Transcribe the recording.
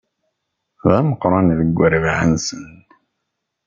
D ameqqran deg urbaɛ-nsen.